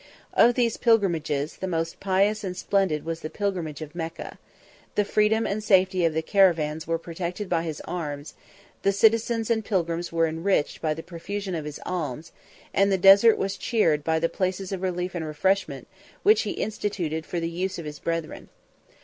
Of these expeditions, the most pious and splendid was the pilgrimage of Mecca: the freedom and safety of the caravans were protected by his arms; the citizens and pilgrims were enriched by the profusion of his alms; and the desert was cheered by the places of relief and refreshment, which he instituted for the use of his brethren.